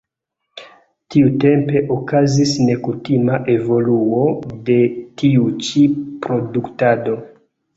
Tiutempe okazis nekutima evoluo de tiu ĉi produktado.